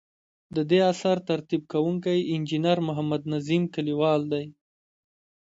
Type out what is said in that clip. ددې اثر ترتیب کوونکی انجنیر محمد نظیم کلیوال دی.